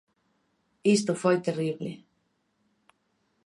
Isto foi terrible.